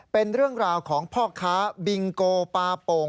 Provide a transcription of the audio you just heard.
เป็นเรื่องราวของพ่อค้าบิงโกปลาโป่ง